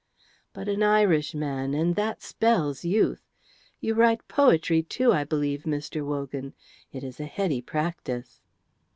"But an Irishman, and that spells youth. You write poetry too, I believe, Mr. Wogan. It is a heady practice."